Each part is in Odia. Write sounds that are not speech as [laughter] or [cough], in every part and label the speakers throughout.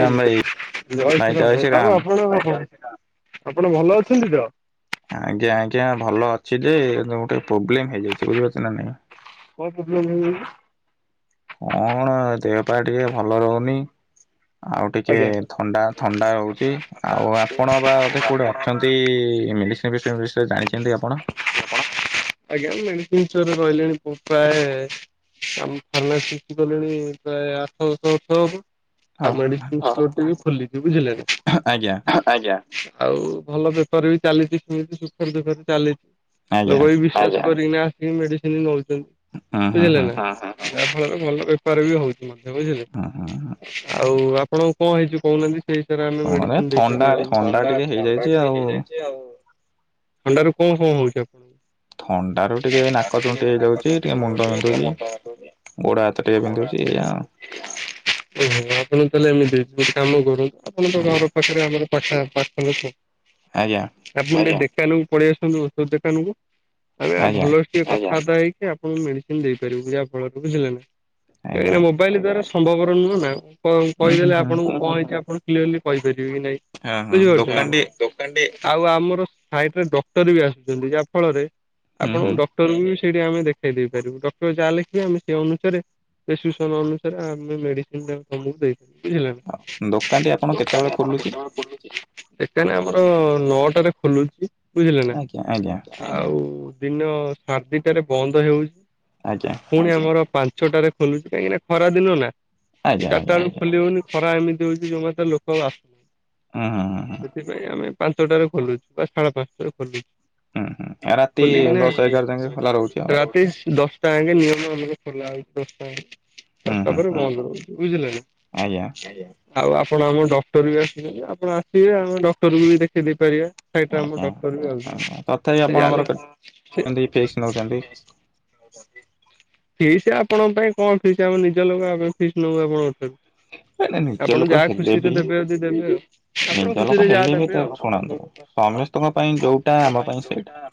Speaker 1: ରାମ ଭାଇ
Speaker 2: ଜୟ ଶ୍ରୀରାମ ଭାଇ ଆଉ ଆପଣ ଆପଣ ଭଲ ଅଛନ୍ତି ତ?
Speaker 1: ଆଜ୍ଞା ଆଜ୍ଞା ଭଲ ଅଛି ଯେ ଗୋଟେ ପ୍ରୋବ୍ଲେମ ହେଇଯାଇଛି ବୁଝିପାରୁଛ କି ନାଇଁ?
Speaker 2: କଣ ପ୍ରୋବ୍ଲେମ୍ ହେଇଯାଇଛି?
Speaker 1: କଣ ଦେହପା ଟିକେ ଭଲ ରହୁନି। ଆଉ ଟିକେ
Speaker 2: ହେଇଯାଇଛି?
Speaker 1: ଥଣ୍ଡା ଥଣ୍ଡା ହଉଛି ଆଉ ଆପଣ ବା ଅଧେ କୋଉଠି ଅଛନ୍ତି? ମେଡ଼ିସିନ [unintelligible] ବିଷୟରେ ଜାଣିଛନ୍ତି ଆପଣ?
Speaker 2: ଆଜ୍ଞା ମେଡିସିନ ଷ୍ଟୋରରରେ ରହିଲେଣି। ମୁଁ ପ୍ରାୟ ଆମ ଫାର୍ମାସିଷ୍ଟ କଲିଣି ପ୍ରାୟ ଆଠଦଶ ବର୍ଷ ହବ।
Speaker 1: ହଁ।
Speaker 2: ଆଉ ମେଡିସିନ ଷ୍ଟୋର ଖୋଲିଛି ବୁଝିଲେ।
Speaker 1: ଆଜ୍ଞା
Speaker 2: ଆଉ ଭଲ ବେପାର ବି ଚାଲିଛି ସେମିତି ସୁଖରେ ଦୁଃଖରେ ଚାଲିଛି ଲୋକ
Speaker 1: ଆଜ୍ଞା
Speaker 2: ବି ବିଶେଷ ତାପରେ ଏଇନା ଆସିକି ମେଡିସିନ ନଉଛନ୍ତି
Speaker 1: ହୁଁ ହୁଁ
Speaker 2: ବୁଝିଲେ
Speaker 1: ହୁଁ
Speaker 2: ନା ଯାହାଫଳରେ ଭଲ ବେପାର ବି ହଉଛି। ବୁଝିଲେ
Speaker 1: ହୁଁ ହୁଁ ହୁଁ।
Speaker 2: ଆଉ ଆପଣଙ୍କର କଣ ହେଇଛି କହୁନାହାନ୍ତି? ସେଇଥିରେ ଆମେ
Speaker 1: ଶୁଣରେ
Speaker 2: ମେଡିସିନ ଦେଇ
Speaker 1: ଥଣ୍ଡା
Speaker 2: ପାରିବା। [unintelligible]
Speaker 1: ଥଣ୍ଡା
Speaker 2: ଥଣ୍ତାରୁ
Speaker 1: ଟିକେ
Speaker 2: କଣ
Speaker 1: ହେଇଯାଇଛି ଆଉ।
Speaker 2: କଣ ହଉଛି ଆପଣଙ୍କୁ?
Speaker 1: ଥଣ୍ଡା ରୁ ଟିକେ ନାକଚୁଣ୍ଟି ହେଇଯାଉଛି ଟିକେ ମୁଣ୍ଡ ବିନ୍ଧୁଛି। ଗୋଡାହାତ ଟିକେ ବିିନ୍ଧୁଛି ଏଇଆ।
Speaker 2: ଓହୋ ଆପଣ ତାହେଲେ ଏମିତି ଗୋଟେ କାମ କରନ୍ତୁ ଆପଣ ତ
Speaker 1: ଆଉ
Speaker 2: ଘର ପାଖରେ ଆମର ପା ପାଖଲୋକ
Speaker 1: ଆଜ୍ଞା
Speaker 2: ଆପଣ ଟିକେ ଦୋକନକୁ ପଳେଇ ଆସନ୍ତୁ ଔଷଧ ଦୋକନକୁ। ଆମେ
Speaker 1: ଆଜ୍ଞା ଆଜ୍ଞା
Speaker 2: ଭଲ ଟିକେ କଥାବାର୍ତ୍ତା ହେଇକି ଆପଣଙ୍କୁ ମେଡିସିନ ଦେଇପାରିବୁ ଯାହାଫଳରେ ବୁଝିଲେନା।
Speaker 1: ଆଜ୍ଞା
Speaker 2: କାହିଁକିନା
Speaker 1: ଆଜ୍ଞା।
Speaker 2: ମୋବାଇଲ ଦ୍ଵାରା ସମ୍ଭବପର ନୁହଁ ନା କ
Speaker 1: ହୁଁ ହୁଁ
Speaker 2: କହିଦେଲେ
Speaker 1: ହୁଁ
Speaker 2: ଆପଣଙ୍କୁ କଣ ହେଇଛି ଆପଣ କ୍ଲିଅର୍ଲି କହିପାରିବି କି ନାଇଁ
Speaker 1: ହଁ
Speaker 2: ବୁଝିପାରୁଚନ୍ତି ହଁ
Speaker 1: ଦୋକାନଟି
Speaker 2: ହଁ ଦୋକାନଟି ଆଉ ଆମର ସାଇଟରେ ଡକ୍ଟର ବି ଆସୁଛନ୍ତି ଯାହା ଫଳରେ
Speaker 1: ହୁଁ ହୁଁ
Speaker 2: ଆପଣଙ୍କୁ ଡକ୍ଟରକୁ ବି ସେଇଟି ଆମେ ଦେଖେଇ ଦେଇପାରିବୁ ଡକ୍ଟର ଯାହା ଲେଖିବେ ଆମେ ସେଇ ଅନୁସାରେ ପେଶ୍ୟୁସନ୍ ଅନୁସାରେ ଆମେ ମେଡିସିନ [unintelligible] ଦେଇ [unintelligible] ହେଲାନା
Speaker 1: ଦୋକାନଟି ଆପଣ କେତେବେଳେ
Speaker 2: ଦୋକାନି ଆପଣ
Speaker 1: ଖୋଲୁଛି?
Speaker 2: କେତବେଳେ ଖୋଲୁଚି? ଦେକାନେ ଆମର ନଅଟାରେ ଖୋଲୁଚି ବୁଝିଲେ ନା
Speaker 1: ଆଜ୍ଞା ଆଜ୍ଞା
Speaker 2: ଆଉ ଦିନ ସାଡେଦିଟାରେ ବନ୍ଦ
Speaker 1: ଆଜ୍ଞା
Speaker 2: ହେଉଛି ଫୁଣି ଆମର ପା ଛଟାରେ ଖୋଲୁଛି କାହିଁକିନା ଖରାଦିନ ନା।
Speaker 1: ଆଜ୍ଞା
Speaker 2: ଚାରିଟା
Speaker 1: ଆଜ୍ଞା
Speaker 2: ବେଳକୁ
Speaker 1: ଆଜ୍ଞା।
Speaker 2: ଖୋଲି ହଉନି ଖରା ଏମିତି ହୋଉଛି ଯୋଉମାତେ ଲୋକ ଆ
Speaker 1: ହୁଁ ହୁଁ ହୁଁ ହୁଁ।
Speaker 2: ସେଥିପାଇଁ ଆମେ ପାଞ୍ଚଟାରେ ଖୋଲୁଛୁ ସଖାଳ ପାଞ୍ଚଟାରେ ଖୋଲୁଛୁ।
Speaker 1: ହୁଁ ହୁଁ ରାତି
Speaker 2: ଖୋଲିିକିନା
Speaker 1: ଦଶ ଏଗାର ଯାଙ୍କେ ଖୋଲା ରହୁଛି ଆଉ
Speaker 2: ରାତି ଦଶ ଟା ଆଙ୍ଗେ ନିୟମ [unintelligible] ଖୋଲାଉଚି ଦଶଟା
Speaker 1: ହୁଁ
Speaker 2: ଦଶଟା
Speaker 1: ହୁଁ
Speaker 2: ପରେ
Speaker 1: ହୁଁ
Speaker 2: ବନ୍ଦ ରହୁଛି ବୁଝିଲେ ନା।
Speaker 1: ଆଜ୍ଞା।
Speaker 2: ଆଉ ଆପଣ ଆମ ଡକ୍ଟର ବି ଆସଛନ୍ତି ଆପଣ ଆସିବେ ଆମେ ଡକ୍ଟରକୁ ବି ଦେଖେଇ ଦେଇେ ପାରିବା। ସାଇଟ ରେ ଆମ
Speaker 1: ଆଜ୍ଞା ଆଜ୍ଞା
Speaker 2: ଡକ୍ଟର ବି ଆଉ
Speaker 1: ତଥାପି ଆପଣଙ୍କର
Speaker 2: [unintelligible]
Speaker 1: କେମିତି ଫିକ୍ସ ନଉଛନ୍ତି?
Speaker 2: ଫିସ୍ ଆପଣଙ୍କ ପାଇଁ କଣ ଫିସ୍ ଆମେ ନିଜ ଲୋକ [unintelligible] ଫିସ୍ ନବୁ ଆପଣଙ୍କଠାରୁ।
Speaker 1: ହ ନାଇଁ ନାଇଁ ନିଜ ଲୋକ ହେଲେ ବି
Speaker 2: ଦେବେ ଯଦି ଦେବେ ଆଉ ଆପଣ
Speaker 1: ନିଜ
Speaker 2: ଖୁସିରେ
Speaker 1: ଲୋକ
Speaker 2: ଯାହା
Speaker 1: ହେଲେ ବି
Speaker 2: ଦେବେ
Speaker 1: ତ
Speaker 2: ଆଉ।
Speaker 1: ଶୁଣନ୍ତୁ ସ୍ୱାମୀ ସମସ୍ତଙ୍କ ପାଇଁ ଯୋଉଟା ଆମ ପାଇଁ ସେଇଟା।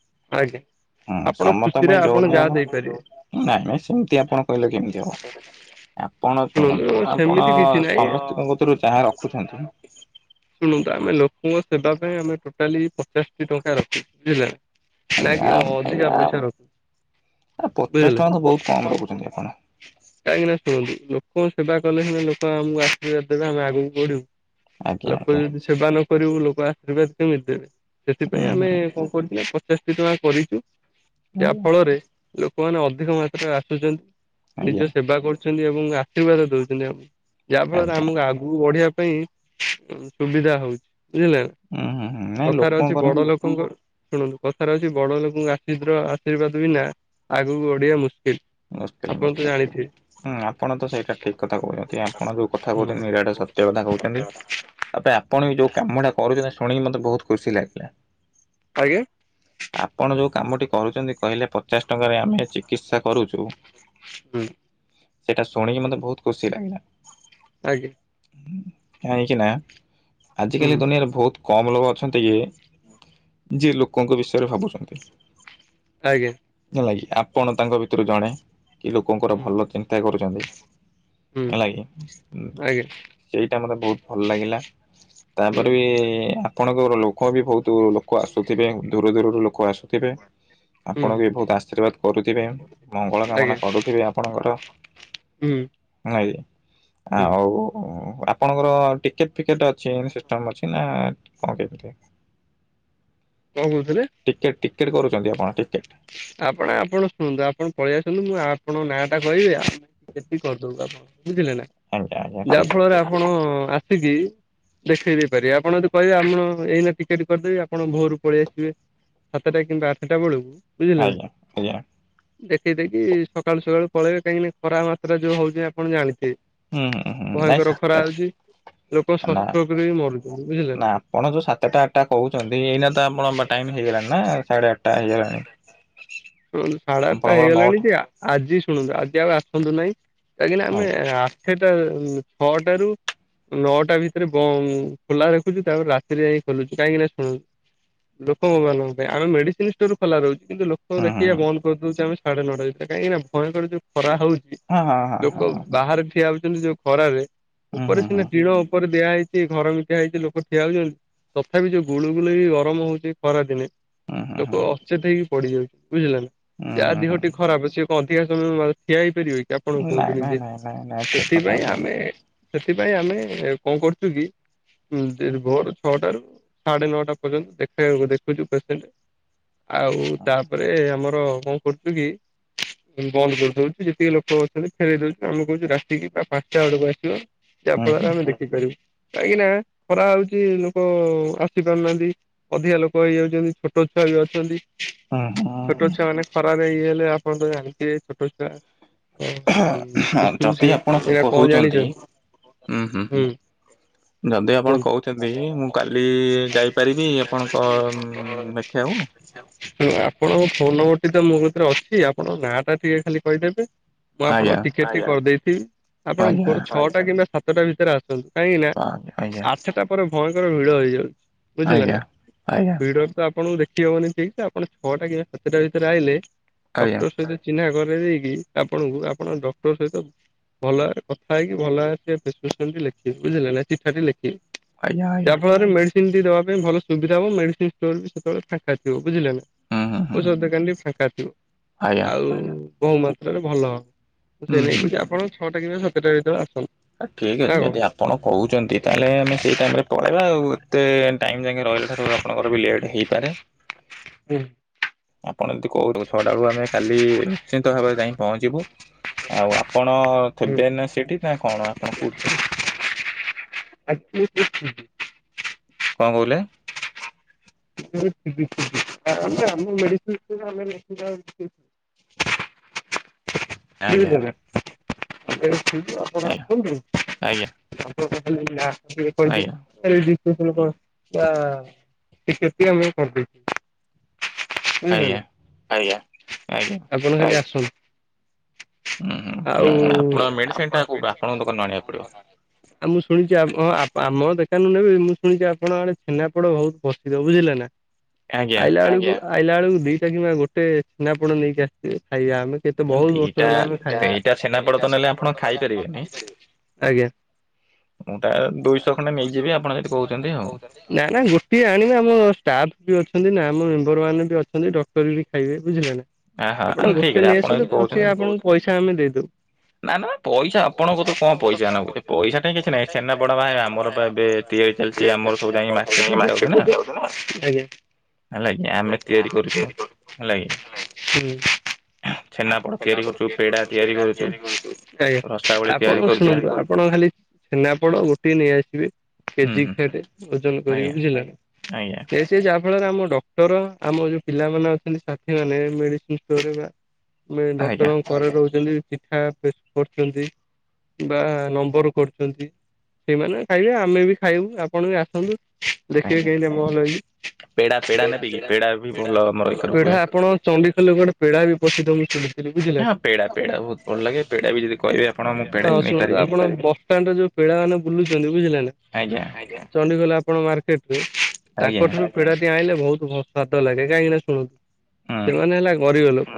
Speaker 2: [unintelligible]
Speaker 1: ହଁ ସମତ ଙ୍କ
Speaker 2: ଖୁସିରେ
Speaker 1: ପାଇଁ ଜୋର
Speaker 2: ଆପଣ ଯାହା
Speaker 1: ଦିଅନା
Speaker 2: ଦେଇପାରିବେ
Speaker 1: ନାଇଁ ନାଇଁ ସେମତି ଆପଣ କହିଲେ କେମିତି ହବ। ଆପଣ ଶୁଣନ୍ତୁ ଆପଣ
Speaker 2: ସେମିତି କିଛି ନାହିଁ।
Speaker 1: ସମିସ୍ତିଙ୍କ କତୁରୁ ଯାହା ରଖୁଛନ୍ତି।
Speaker 2: ଶୁଣନ୍ତୁ ଆମେ ଲୋକଙ୍କ ସେବା ପାଇଁ ଏ ଆମେ ଟୋଟାଲି ପଚାଶଟି ଟଙ୍କା ରଖୁଚୁ ବୁଝିଲେ ନା
Speaker 1: ଆଜ୍ଞା
Speaker 2: ନାଇଁକି
Speaker 1: ଆମ୍
Speaker 2: ଅଧିକା ପଇସା ରଖୁ
Speaker 1: ଆ ପଚାଶ
Speaker 2: ବୁଝିଲେ
Speaker 1: ଟଙ୍କା ତ ବହୁତ କମ ରଖୁଛନ୍ତି ଆପଣ
Speaker 2: କାହିଁକିନା ଶୁଣନ୍ତୁ ଗୋ ସେବା କଲେ ସିନା ଲୋକ ଆମକୁ ଆଶୀର୍ବାଦ ଦେବେ ଆମେ ଆଗକୁ ବଢିବୁ
Speaker 1: ଆଜ୍ଞା
Speaker 2: ଲୋକ
Speaker 1: ଆଜ୍ଞା
Speaker 2: ଯଦି ସେବା ନ ଗରିବୁ ଲୋକ ଆଶୀର୍ବାଦ କେମିତି ଦେବେ
Speaker 1: ହୁଁ
Speaker 2: ସେଥିପାଇଁ ଆମେ
Speaker 1: ହୁଁ
Speaker 2: କଣ କରିଚୁ ନା ପଚାଶଟି ଟଙ୍କା କରିଚୁ। ଯାହା
Speaker 1: ଆଜ୍ଞା
Speaker 2: ଫଳରେ ଲୋକମାନେ ଅଧିକ ମାତ୍ରାରେ ଆସୁଚନ୍ତି ନିଜ
Speaker 1: ଆଜ୍ଞା
Speaker 2: ସେବା କରୁ ଅଛନ୍ତି ଏବଂ ଆଶୀର୍ବାଦ ଦଉଚନ୍ତି ଆମୁକୁ ଯାହା ଫଳରେ
Speaker 1: ଆଜ୍ଞା
Speaker 2: ଆମକୁ ଆଗୁକୁ ବଢିବା ପାଇଁ ସୁବିଧା ହଉଛି। ବୁଝିଲେନା
Speaker 1: ହୁଁ ହୁଁ ହୁଁ ନାଇଁ
Speaker 2: କଥାରେ ଅଛି
Speaker 1: ଲୋକଙ୍କର
Speaker 2: ବଡ ଲୋକଙ୍କ ଶୁଣନ୍ତୁ କଥାରେ ଅଛି ବଡ ଲୋକଙ୍କୁ ଆଶୀର୍ଦ୍ର ଆଶୀର୍ବାଦ ବିନା ଆଗକୁ ବଡିଆ ମୁ
Speaker 1: ମୁସ୍କିଲ ମୁସ୍କିଲ ହଁ ହଁ ଆପ ଆପଣ ତ ସେଇଟା ଠିକ କଥା କହୁଚନ୍ତି ଆପଣ ଯୋଉ କଥା କହୁଛନ୍ତି
Speaker 2: ହୁଁ।
Speaker 1: ନିରାଟା ସତ୍ୟ କଥା କହୁଛନ୍ତି। ତାପରେ ଆପଣ ବି ଯୋଉ କାମ ଟା କରୁଚନ୍ତି ଶୁଣିକି ମତେ ବହୁତ ଖୁସି ଲାଗିଲା
Speaker 2: ଆଜ୍ଞା
Speaker 1: ଆପଣ ଯୋଉ କାମଟି କରୁଚନ୍ତି କହିଲେ ପ ଚାଶ ଟଙ୍କାରେ ଆମେ ଚିକିତ୍ସା କରୁଚୁ।
Speaker 2: ହୁଁ
Speaker 1: ସେଇଟା ଶୁଣିକି ମତେ ବହୁତ ଖୁସି ଲାଗିଲା।
Speaker 2: ନା କି।
Speaker 1: ହୁଁ କାହିଁକି ନା ଆଜିକାଲି
Speaker 2: ହୁଁ
Speaker 1: ଦୁନିଆରେ ବହୁତ କମ ଲୋକ ଅଛନ୍ତି କି ଯିଏ ଲୋକଙ୍କ ବିଷୟରେ ଭାବୁଚନ୍ତି
Speaker 2: ଆଜ୍ଞା
Speaker 1: ହେଲା କି। ଆପଣ ତାଙ୍କ ଭିତୁରୁ ଜଣେ କି ଲୋକଙ୍କର
Speaker 2: ହୁଁ
Speaker 1: ଭଲ ଚିନ୍ତା କରୁଚନ୍ତି।
Speaker 2: ହୁଁ
Speaker 1: ହେଲା କିି ଉଁ
Speaker 2: ଆଜ୍ଞା
Speaker 1: ସେଇଟା ମତେ ବହୁତ ଭଲ ଲାଗିଲା।
Speaker 2: ହୁଁ
Speaker 1: ତାପରେ ବି ଆପଣ [unintelligible] ଲୋକ ବି ବହୁତ ଲୋକ ଆସୁଥିବେ ଦୂରୁ ଦୂରରୁ ଲୋକ ଆସୁଥିବେ। ଆପଣଙ୍କୁ ବି
Speaker 2: ହୁଁ
Speaker 1: ବହୁତ ଆଶୀର୍ବାଦ କରୁଥିବେ। ମଙ୍ଗଳ କାମନା
Speaker 2: ଆଜ୍ଞା
Speaker 1: କରୁଥିବେ ଆପଣଙ୍କର
Speaker 2: ହୁଁ ହୁଁ
Speaker 1: ହେଲା କି। ଆଉ ଆପଣଙ୍କର ଟିକେଟ ଫିକେଟ ଅଛି ସିଷ୍ଟମ ଅଛି ନା କଣ କେମିତି?
Speaker 2: କଣ କହୁଥିଲେ?
Speaker 1: ଟିକେଟ ଟିକେଟ କରୁଛନ୍ତି ଆପଣ ଟିକେଟ
Speaker 2: ଆପଣ, ଆପଣ ଶୁଣୁ ନାହାନ୍ତି। ପଳେଇ ଆସିଲୁ, ମୁଁ ଆପଣଙ୍କ ନାଁ ଟା କହିବି, ଆମେ ଟିକଟେଟି କରିଦେବୁ ଆପଣ ବୁଝିଲେ ନା,
Speaker 1: ଆଜ୍ଞା ଆଜ୍ଞା
Speaker 2: ଯାହା
Speaker 1: ଠିକ
Speaker 2: ଫଳରେ ଆପଣ ଆସିକି ଦେଖେଇ ଦେଇ ପାରିବେ, ଆପଣ ଯଦି କହିବେ ଆପଣ, ଏଇନା ଟିକେଟ କରିଦେବି ଆପଣ ଭୋର ପଳେଇଆସିବେ, ସାତଟା କିମ୍ବା ଆଠଟା ବେଳକୁ ବୁଝିଲେ ନା
Speaker 1: ଆଜ୍ଞା ଆଜ୍ଞା।
Speaker 2: ଦେଖେଇ ଦେଇକି ସକାଳୁ ସକାଳୁ ପଳେଇବେ, କାହିଁକିନା ଖରା ମାତ୍ରା ଯୋଉ ହଉଛି ଆପଣ ଜାଣିଥିବେ।
Speaker 1: ହୁଁ ହୁଁ ହୁଁ ନାଇଁ
Speaker 2: ଭୟଙ୍କର ଖରା
Speaker 1: [unintelligible]
Speaker 2: ହଉଛି ଲୋକ
Speaker 1: ନା,
Speaker 2: ସଂଷ୍ଟ୍ରୋକରେ ବି ମରୁଛନ୍ତି ବୁଝିଲେ ନା।
Speaker 1: ନା, ଆପଣ ଯୋଉ ସାତଟା ଆଠଟା କହୁଛନ୍ତି, ଏଇନା [unintelligible] ଟାଇମ ହେଇଗଲାଣି ନା ସାଢେ ଆଠଟା ହେଇଗଲାଣି।
Speaker 2: ଶୁଣନ୍ତୁ, ସାଢ଼େ ଆଠଟା
Speaker 1: ଆପଣଙ୍କର
Speaker 2: ହେଇଗଲାଣି
Speaker 1: ନଅଟା
Speaker 2: ଯେ -ଆଜି ଶୁଣନ୍ତୁ ଆଜି ଆଉ ଆସନ୍ତୁ ନାହିଁ, କାହିଁକିନା ଆମେ
Speaker 1: ହଉ
Speaker 2: ସେଟା ଛଅଟାରୁ ନଅଟା ଭିତରେ ବନ୍ଦ ଖୋଲା ରଖୁଛି, ତାପରେ ରାତିରେ ଯାଇ ଖୋଲୁଛି କାହିଁକି ନା? ଶୁଣନୁ ଲୋକଙ୍କ ମାନଙ୍କ ପାଇଁ ଆମେ ମେଡିସିନ ଷ୍ଟୋର ଖୋଲା ରହୁଛି କିନ୍ତୁ ଲୋକଙ୍କୁ
Speaker 1: ହୁଁ ହୁଁ
Speaker 2: ଦେଖିବା
Speaker 1: ହୁଁ
Speaker 2: ବନ୍ଦ କରିଦଉଛି ଆମେ ସାଢେ ନଅଟା ଭିତରେ। କାହିଁକିନା ଭୟଙ୍କର ଯୋଉ ଖରା ହଉଛି
Speaker 1: ହଁ ହଁ ହଁ
Speaker 2: ଲୋକ
Speaker 1: ହଁ
Speaker 2: ବାହାରେ ଠିଆହଉଛି ଯୋଉ ଖରାରେ
Speaker 1: ହୁଁ
Speaker 2: ଉପରେ
Speaker 1: ହୁଁ
Speaker 2: ସିନା
Speaker 1: ହୁଁ
Speaker 2: ଟିଣ ଉପରେ ଦିଆହେଇଛି [unintelligible] ହେଇଛି ଲୋକ ଠିଆ ହଉଛନ୍ତି ତଥାପି ଯୋଉ ଗୁଳୁଗୁଳି ବି ଗରମ ହଉଛି ଖରା ଦିନେ।
Speaker 1: ହୁଁ ହୁଁ
Speaker 2: ଲୋକ
Speaker 1: ହୁଁ।
Speaker 2: ଅଚେତ ହେଇକି ପଡିଯାଉଛି ବୁଝିଲ ନା,
Speaker 1: ହୁଁ
Speaker 2: ଯାହା
Speaker 1: ହୁଁ
Speaker 2: ଦେହଟି
Speaker 1: ହୁଁ
Speaker 2: ଖରାପ ସେ ଅଧିକା ସମୟ ଠିଆ ହେଇପାରିବେ କି? ଆପଣ କୁହନ୍ତୁ
Speaker 1: ନାଇଁ ନାଇଁ
Speaker 2: ନିଜେ,
Speaker 1: ନାଇଁ ନାଇଁ ନାଇଁ ଠିକ କଥା
Speaker 2: ସେଥିପାଇଁ
Speaker 1: ଆପଣ
Speaker 2: ଆମେ
Speaker 1: କହୁଛନ୍ତି।
Speaker 2: ସେଥିପାଇଁ ଆମେ କଣ କରୁଛୁ କି -ଭୋର ଛଅଟା ରୁ ସାଢେ ନଅଟା। ପର୍ଯନ୍ତ ଦେଖବାକୁ ଦେଖୁଛୁ ପେସେଣ୍ଟ ଆଉ ତାପରେ ଆମର କଁ କରୁଛୁ କି? ବନ୍ଦ କରିଦଉଚୁ, ଯେତିକି ଲୋକ ଅଛନ୍ତି ଫେରଇ ଦଉଛି, ଆମେ କହୁଛୁ ରାତିକି ବା ପାଞ୍ଚଟା ବେଳକୁ ଆସିବ। ଯାହା
Speaker 1: ହୁଁ
Speaker 2: ଫଳରେ ଆମେ ଦେଖିପାରିବୁ, କାହିଁକି ନା ଖରା ହଉଛି ଲୋକ ଆସି ନାହାନ୍ତି ଅଧିକା ଲୋକ ହେଇଯାଉଛନ୍ତି, ଛୋଟ ଛୁଆ ବି ଅଛନ୍ତି।
Speaker 1: ହ ହୋ
Speaker 2: ଛୋଟ
Speaker 1: ହ।
Speaker 2: ଛୁଆ ମାନେ ଖରାରେ ଇଏ ହେଲେ ଆପଣ ତ ଜାଣିଛ ଛୋଟ ଛୁଆ। ଶିଶୁ ସେ
Speaker 1: ଯଦି ଆପଣ
Speaker 2: ଏଇଟା କଣ
Speaker 1: କହୁଛନ୍ତି
Speaker 2: ଜାଣିଛନ୍ତି
Speaker 1: ହୁଁ ହୁଁ ହୁଁ। ଯଦି ଆପଣ
Speaker 2: କୁହନ୍ତୁ
Speaker 1: କହୁଛନ୍ତି, ମୁଁ କାଲି ଯାଇପାରିବି ଆପଣଙ୍କ ଦେଖିବାକୁ
Speaker 2: ଆପଣଙ୍କ ଫୋନ ନମ୍ବର ତ ମୋ ଭିତରେ ଅଛି ଆପଣଙ୍କ ନାଁ ଟା ଟିକେ ଖାଲି କହିଦେବେ। ମୁଁ
Speaker 1: ଆଜ୍ଞା
Speaker 2: ଆପଣଙ୍କ ଟିକେଟ ଟି କରିଦେଇଥିବି। ଆପଣ ଭୋ
Speaker 1: ଆଜ୍ଞା
Speaker 2: ର୍ ଛଅଟା କିମ୍ବା ସାତଟା ଭିତରେ ଆସି କାହିଁକି ନା
Speaker 1: ଆଜ୍ଞା ଆଜ୍ଞା
Speaker 2: ଆଠଟା ପରେ ଭୟଙ୍କର ଭିଡ ହେଇଯାଉଛି। ବୁଝିଲେ
Speaker 1: ଆଜ୍ଞା
Speaker 2: ନା
Speaker 1: ଆଜ୍ଞା
Speaker 2: ଭିଡରେ ତ ଆପଣଙ୍କୁ ଦେଖ ହବନି ଠିକ ସେ ଆପଣ ଛଅଟା କିମ୍ବା ସାତଟା ଭିତରେ ଆଇଲେ
Speaker 1: ଆଜ୍ଞା
Speaker 2: ଡକ୍ଟର ସହିତ ଚିହ୍ନା କରେଇ ଦେଇକି ଆପଣଙ୍କୁ ଆପଣ ଡକ୍ଟର ସହିତ ଭଲ ଭାବରେ କଥା ହେଇକି, ଭଲ ଭାବରେ ପ୍ରେଷ୍କ୍ରିପସନ୍ ଲେଖିବି ବୁଝିଲେ ନା ଚିଠାଟି ଲେଖିବେ।
Speaker 1: ଆଜ୍ଞା
Speaker 2: ଯାହା
Speaker 1: ଆଜ୍ଞା
Speaker 2: ଫଳରେ ମେଡିସିନ ଟି ଦେବା ପାଇଁ ଭଲ ସୁବିଧା ହବ, ମେଡିସିନ ଷ୍ଟୋର ବି ସେତେବେଳେ ଫାଙ୍କା ଥିବ ବୁଝିଲ ନା?
Speaker 1: ହୁଁ ହୁଁ ହୁଁ
Speaker 2: ଓଷଧ ଦୁକନ ଟି ଫାଙ୍କା ଥିବ
Speaker 1: ଆଜ୍ଞା
Speaker 2: ଆଉ ବହୁ ମାତ୍ରାରେ ଭଲ ହବ।
Speaker 1: ହୁଁ
Speaker 2: ସେ ନେଇକି ଆପଣ ଛଅଟା କିମ୍ବା ସାତଟା ଭିତରେ ଆସନ୍ତୁ।
Speaker 1: ଠିକ
Speaker 2: ନା
Speaker 1: ଅଛି,
Speaker 2: କଣ?
Speaker 1: ଯଦି ଆପଣ କହୁଛନ୍ତି ତାହେଲେ ଆମେ ସେଇ ଟାଇମରେ ପଳେଇବା ଆଉ ଏତେ ଟାଇମ ଯାଆଁକେ ରହିଲା ଠାରୁ ଆପଣଙ୍କର ବି ଲେଟ ହେଇପାରେ।
Speaker 2: ହୁଁ।
Speaker 1: ଆପଣ ଯଦି କହୁଛ, ଛଅଟା ବେଳୁ ଆମେ କାଲି ନିଶ୍ଚିନ୍ତ ଭାବରେ ଯାଇ ପହଞ୍ଚିବୁ। ଆଉ ଆ ଆପଣ
Speaker 2: ହୁଁ।
Speaker 1: ଥିବେ ନା ସେଠି ନା କଣ? ଆପଣ କୋଉଠି ଥିବେ?
Speaker 2: [unintelligible]
Speaker 1: କଣ କହିଲେ?
Speaker 2: [unintelligible]
Speaker 1: [inaudible] ଆଜ୍ଞା
Speaker 2: ବୁଝିଲେନା [unintelligible] ଆପଣ
Speaker 1: ଆଜ୍ଞା
Speaker 2: ଆସନ୍ତୁ।
Speaker 1: ଆଜ୍ଞା
Speaker 2: [inaudible] ଟିକେଟ
Speaker 1: ଆଜ୍ଞା
Speaker 2: ଟି ଆମେ କରିଦେଇଛୁ। ବୁଝିଲ ନା ଆଜ୍ଞା
Speaker 1: ଆଜ୍ଞା
Speaker 2: ଆପଣ ଖାଲି
Speaker 1: ଆଜ୍ଞା।
Speaker 2: ଆସନ୍ତୁ।
Speaker 1: ହୁଁ। ହୁଁ
Speaker 2: ଆଉ
Speaker 1: ଠିକ୍ ଅଛି ଆପଣ ମେଡିସିନ ଟା କୋଉଠୁ ଆପଣଙ୍କ ଦୋକାନରୁ ଆଣିବାକୁ ପଡିବ
Speaker 2: ଆ ମୁଁ ଶୁଣିଛି ହଁ ଆମ ଦେଖ ନେବି ମୁଁ ଶୁଣିଛି ଆପଣ ଆଡେ ଛେନାପୋଡ଼ ବହୁତ ପ୍ରସିଦ୍ଧ ବୁଝିଲେ ନା
Speaker 1: ଆଜ୍ଞା।
Speaker 2: ଆଇଲା ବେଳକୁ ଆଇଲା ବେଳକୁ ଦିଟା କିମ୍ବା ଗୋଟେ ଛେନା ପୋଡ଼ ନେଇକି ଆସିଥିବେ। ଆଜ୍ଞା ଆମେ କେତେ
Speaker 1: ମାନେ
Speaker 2: ବହୁତ ବର୍ଷ
Speaker 1: ଦିଟା
Speaker 2: ହେଲା ଆମେ
Speaker 1: ଦିଟା
Speaker 2: ଖାଇନୁ
Speaker 1: ଛେନାପୋଡ ତ ନେଲେ ଆପଣ ଖାଇପାରିବେନି।
Speaker 2: ଆଜ୍ଞା।
Speaker 1: [inaudible] ତା ଦୁଇଶହ ଖଣ୍ଡେ ନେଇଯିବି ଆପଣ ଯଦି କହୁଛନ୍ତି ଆଉ।
Speaker 2: ନା ନା ଗୋଟିଏ ଆଣିବେ। ହଁ ଷ୍ଟାଫ୍ ବି ଅଛନ୍ତି ନା ଆମ ମେମ୍ବର ମାନେ ବି ଅଛନ୍ତି ଡକ୍ଟର ବି ଖାଇବେ ବୁଝିଲେ ନା।
Speaker 1: ଆହା
Speaker 2: ଆପଣ
Speaker 1: ଆମେ ଠିକ୍ ଅଛି
Speaker 2: ଗୋଟେ
Speaker 1: ଆପଣ ଯଦି
Speaker 2: ନେଇଆସନ୍ତୁ
Speaker 1: କହୁଛନ୍ତି
Speaker 2: ଫସିକ ଆପଣଙ୍କୁ ପଇସା ଆମେ ଦେଇଦବୁ।
Speaker 1: ନା ନା ପଇସା ଆପଣଙ୍କୁ ତୁ କଣ ପଇସା ନକୁଛି ପଇସା ଟ କିଛି ନାହିଁ ସେନାପଡ ଭାଇ ଆମର ଏବେ
Speaker 2: [unintelligible]
Speaker 1: ତିଆରି ଚାଲିଛି ଆମର ସବୁ ଯାଇକି ମାର୍କେଟରେ ଦିଆହଉଛି
Speaker 2: ମାର୍କେଟ
Speaker 1: ନା
Speaker 2: ହେଲା
Speaker 1: ହେଲା କି
Speaker 2: ଆଜ୍ଞା ଆମେ
Speaker 1: କରୁଛୁ
Speaker 2: ତିଆରି କରୁ
Speaker 1: ହେଲା କି
Speaker 2: ହେ ହୁଁ। ଛେନାପୋଡ଼ ତିଆରି କରୁୁ ପୋଡା ତିଆରି କରୁଛୁ ଆଜ୍ଞା
Speaker 1: ରସାବଳି
Speaker 2: ଆପଣ
Speaker 1: ତିଆରି କରୁଛୁ
Speaker 2: ଶୁଣନ୍ତୁ ଆପଣ ଖାଲି ଛେନାପୋଡ ଗୋଟଏ ନେଇଆସିବେ
Speaker 1: ହୁଁ
Speaker 2: କେଜି
Speaker 1: ହୁଁ
Speaker 2: କିଆଟେ ଓଜନ କରିକି
Speaker 1: ଆଜ୍ଞା
Speaker 2: ବୁଝିଲେନା?
Speaker 1: ଆଜ୍ଞା
Speaker 2: କେସ ଯେ ଆପ ଳରେ ଆମ ଡକ୍ଟର ଆମ ଯୋଉ ପିଲାମାନେ ଅଛନ୍ତି ସାଥି ମାନେ ମେଡିସିନ ଷ୍ଟୋର ବା
Speaker 1: ଆଜ୍ଞା
Speaker 2: କ୍ଷଣ ପରେ ରହୁଛନ୍ତି ଚିଠା କରୁଛନ୍ତି। ବା ନମ୍ବର କରୁଛନ୍ତି। ସେଇମାନେ ଖାଇବେ ଆମେ ବି ଖାଇବୁ ଆପଣ ବି ଆସନ୍ତୁ। ଟେ
Speaker 1: ଆଜ୍ଞା
Speaker 2: କ ଭଲ ହେଇଛି
Speaker 1: ପେଡା ପେଡା ନେବେ କି ପେଡା ବି ଭଲ ଆମର ଏକରେ
Speaker 2: ପେଢା
Speaker 1: ହୁଏ
Speaker 2: ଆପଣ ଚ ଖାଇଲେ ଗୋଟେ ପୋଦ ବି ପି ତମୁୁ
Speaker 1: ହଁ ପେଡା ପେଡା ବହୁତ ଭଲ ଲାଗେ ପେଡା ବି ଯଦି କହିବେ ଆପଣ ମୁଁ ପେଡା ବି
Speaker 2: ଶୁଣନ୍ତୁ
Speaker 1: ନେଇପାରିବି
Speaker 2: ଆପଣ ପିଲାମାନେ ବୁଲୁଛନ୍ତି ବୁଝିଲ ନା
Speaker 1: ଆଜ୍ଞା
Speaker 2: ଚଣ୍ଡିଖୋଲ ଆପଣ ମାର୍କେଟରେ
Speaker 1: ଆଜ୍ଞା
Speaker 2: ତାଙ୍କଠାରୁ ପେଡାଟି ଆଣିଲେ ବହୁତ ସ୍ୱାଦ ଲାଗେ କାହିଁକି ନା ଶୁଣନ୍ତୁ।
Speaker 1: ହୁଁ
Speaker 2: ସେମାନେ ହେଲା ଗରିବ ଲୋକ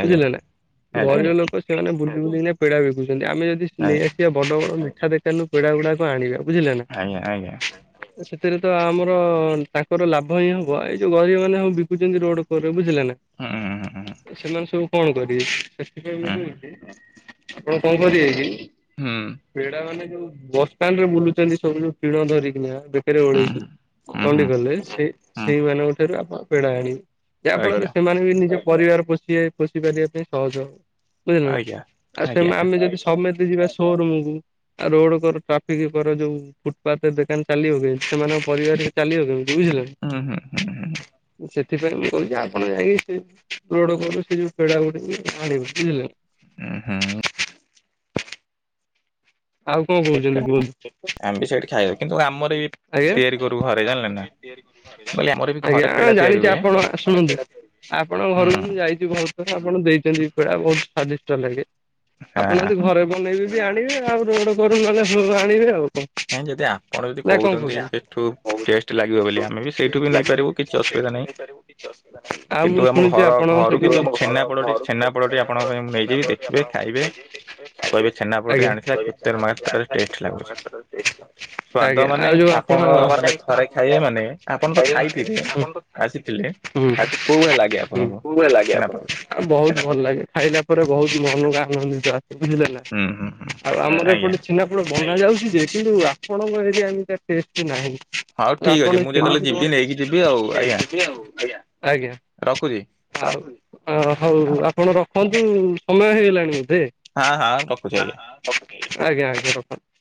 Speaker 1: ଆଜ୍ଞା
Speaker 2: ବୁଝିଲେ ନା
Speaker 1: ଆଜ୍ଞା
Speaker 2: ଗରିବ ଲୋକ ସେମାନେ ବୁ ନା ପେଡ଼ା ବିକୁଛନ୍ତି ଆମେ ଯଦି ନେଇ
Speaker 1: ଆଜ୍ଞା
Speaker 2: ଆସିବା ବଡ ବଡ ମିଠା ଦେଖାନ ନୁ ପେଡ଼ାଗୁଡାକ ଆଣିବା ବୁଝିଲେ ନା।
Speaker 1: ଆଜ୍ଞା ଆଜ୍ଞା।
Speaker 2: ସେଥିରେ ତ ଆମର ତାଙ୍କର ଲାଭ ହିଁ ହବ ଏଇ ଯୋଉ ଗରିବୀ ମାନେ ହବ ବିକୁଛନ୍ତି ରୋଡ ଉପରେ ବୁଝିଲ ନା ସେମାନେ ସବୁ କଣ କରିବି ସେଥିପାଇଁ ମୁଁ କହୁଛି ଆପଣ କଣ କରିବେ କି ପିଲା ମାନେ ଯୋଉ ବସଷ୍ଟାଣ୍ଡରେ ବୁଲୁଛନ୍ତି ସବୁ ଯୋଉ ଟିଣ ଧରିକିନା ରେ ଓଳେଇକି ଚଣ୍ଡୀଖୋଲରେ ସେ ସେଇମାନଙ୍କ ଠାରୁ ଆପଣ ପେଡ଼ା ଆଣିବେ। ଯାହା ଫଳରେ ସେମାନେ ବି ନିଜ ପରିବାର ପୋଷି ପୋଷି ପାରିବା ପାଇଁ ସହଜ ହବ। ବୁଝିଲେ ନା ଆଉ ସେ ଆମେ ଯଦି ସମୟ ଯିବା ସୋରୁମକୁ ରୋଡ କର ଟ୍ରାଫିକ କର ଯୋଉ ଫୁଟପାଥ ଦାନ ଚାଲିବ ସେମାନଙ୍କ ପରିବାର ଟିକେ ଚାଲିବ କେମିତି ବୁଝିଲେନା? ସେ ସେଥିପାଇଁ ମୁଁ କରୁଛି ଆପଣ ଯାଇକି ସେଇ ଯୋଉ ରୋଗ ଉପରକୁ ପେଡା ଗୁଡିକି ଆଣିବେ ବୁଝିଲେ।
Speaker 1: ହୁଁ ହୁଁ।
Speaker 2: ଆଉ କଣ
Speaker 1: ଦେଖିଆ
Speaker 2: କହୁଛନ୍ତି କୁହନ୍ତୁ?
Speaker 1: ଆମେ ବି ସେଇଠି ଖାଇବା କିନ୍ତୁ ଆମର ବି
Speaker 2: ଆଜ୍ଞା
Speaker 1: ତିଆରି କରୁ ଘରେ ଜାଣିଲେ ନା ମୁଁ କହିଲି ଆମର ବି ଘରେ
Speaker 2: ଆଜ୍ଞା
Speaker 1: ପେଡା ତିଆରି
Speaker 2: ଜାଣିଛି
Speaker 1: ହୁଏ।
Speaker 2: ଆପଣ ଶୁଣନ୍ତୁ। ଆପଣ
Speaker 1: ହୁଁ
Speaker 2: ଘରକୁ ମୁଁ ଯାଇଛି ବହୁତ ଆପଣ ଦେଇଛନ୍ତି ପେଡା ବହୁତ ନିଦ୍ଦିଷ୍ଟ ଲାଗେ ଆପଣ
Speaker 1: ହଁ
Speaker 2: ଯ ଘରେ ବନେଇବେ ବି ଆଣିବେ ଆଉ ରୋଡ କରୁ ମାନେ ହ ଆଣିବେ ଆଉ।
Speaker 1: ଏ ଯଦି ଆପଣ ଯଦି
Speaker 2: ନାଇଁ ଆପଣ
Speaker 1: କହୁଛନ୍ତି
Speaker 2: କଣ
Speaker 1: ସେଠୁ ଟେଷ୍ଟ ଲାଗିବ ବୋଲି
Speaker 2: କହୁଛନ୍ତି
Speaker 1: ଆମେ ବି
Speaker 2: ଆପଣ
Speaker 1: ସେଇଠୁ ବି
Speaker 2: ଯଦି
Speaker 1: ନେଇପାରିବୁ କିଛି
Speaker 2: କୋହୁଛନ୍ତି
Speaker 1: ଅସୁବିଧା
Speaker 2: ସେଇଠୁ ବି
Speaker 1: ନାହିଁ।
Speaker 2: ନେଇପାରିବୁ କିଛି ଅସୁବିଧା ନାହିଁ। ଆଉ
Speaker 1: କିନ୍ତୁ
Speaker 2: ମୁଁ
Speaker 1: ଆମ
Speaker 2: ଶୁଣିଛି
Speaker 1: ଘର
Speaker 2: ଆପଣ
Speaker 1: ଘରୁ
Speaker 2: ସେଠି
Speaker 1: କିନ୍ତୁ
Speaker 2: ଘରକୁ
Speaker 1: ଛେନାପୋଡଟି
Speaker 2: ତ
Speaker 1: ଛେନାପୋଡଟି
Speaker 2: ଛେନା
Speaker 1: ଆପଣଙ୍କ ପାଇଁ ମୁଁ
Speaker 2: ଛେନା
Speaker 1: ନେଇଯିବି
Speaker 2: ପୋଡ଼ଟି
Speaker 1: ଦେଖିବେ
Speaker 2: ଆପଣ
Speaker 1: ଖାଇବେ।
Speaker 2: ଆଜ୍ଞା।
Speaker 1: କହିବେ ଛେନାପୋଡଟି ଆଣିଥିଲା କେତେ ମାତ୍ରାରେ ଟେଷ୍ଟ ଲାଗୁଛି। ସ୍ଵାଦ
Speaker 2: ଆଜ୍ଞା
Speaker 1: ମାନେ
Speaker 2: ଆଉ ଯୋଉ ଆପଣ,
Speaker 1: ଆପଣଙ୍କ
Speaker 2: ଆଜ୍ଞା। ହୁଁ
Speaker 1: ମାନେ ଥରେ
Speaker 2: ହୁଁ
Speaker 1: ଖାଇବେ
Speaker 2: ଆ
Speaker 1: ମାନେ ଆପଣ ତ ଖାଇଥିବେ ଆସିଥିଲେ କୋଉ ଭଳିଆ ଲାଗେ ଆପଣଙ୍କୁ? ଛେନାପୋଡ଼
Speaker 2: ବହୁତ ଭଲ ଲାଗେ ଖାଇଲା ପରେ ବହୁତ ମହଙ୍ଗା ମାନେ ବୁଝିଲେ ନା
Speaker 1: ହୁଁ ହୁଁ ହୁଁ।
Speaker 2: ଆଉ ଆମର
Speaker 1: ଆଜ୍ଞା
Speaker 2: ଏପଟେ ଛେନାପୋଡ ବନା ଯାଉଛି ଯେ କିନ୍ତୁ ଆପଣଙ୍କ ଏ ସିଏ ଏମିତିଆ ଟେଷ୍ଟୀ ନାହିଁ।
Speaker 1: ହଉ ଠିକ୍
Speaker 2: ଆପଣ
Speaker 1: ଅଛି
Speaker 2: ଏ
Speaker 1: ମୁଁ ଯେତେବେଳେ
Speaker 2: କିମିତି କଣ,
Speaker 1: ଯିବି ନେଇକି ଯିବି ଆଉ ଆଜ୍ଞା
Speaker 2: ଆଜ୍ଞା।
Speaker 1: ରଖୁଛି।
Speaker 2: ଆଉ ଅ ହଉ
Speaker 1: ହଁ
Speaker 2: ଆପଣ ରଖନ୍ତୁ ସମୟ ହେଇଗଲାଣି।
Speaker 1: ହଁ
Speaker 2: [unintelligible]
Speaker 1: ହଁ ରଖୁଛି
Speaker 2: ଆଜ୍ଞା ଆଜ୍ଞା ରଖନ୍ତୁ।